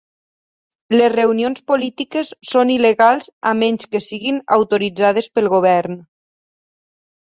Les reunions polítiques són il·legals a menys que siguin autoritzades pel govern.